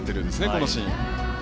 このシーンは。